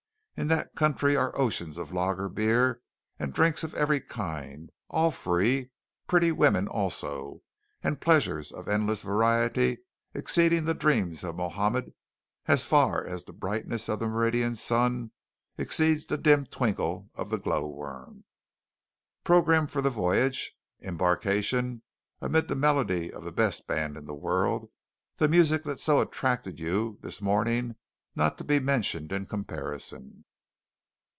In that country are oceans of lager beer and drinks of every kind, all free; pretty women also, and pleasures of endless variety exceeding the dreams of Mohammed as far as the brightness of the meridian sun exceeds the dim twinkle of the glowworm! Program for the voyage: embarkation amid the melody of the best band in the world; that music that so attracted you this morning not to be mentioned in comparison.